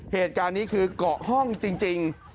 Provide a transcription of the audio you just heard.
เหตุการณ์นี้คือเกาะห้องจริง